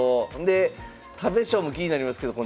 で食べ将も気になりますけど